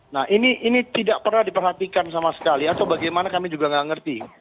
nah ini tidak pernah diperhatikan sama sekali atau bagaimana kami juga nggak ngerti